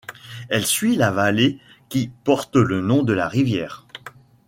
Elle suit la vallée qui porte le nom de la rivière.